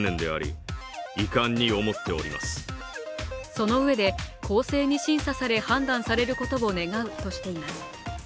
そのうえで、公正に審査され判断されることを願うとしています。